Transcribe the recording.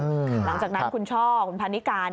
หลังจากนั้นคุณช่อคุณพันนิกา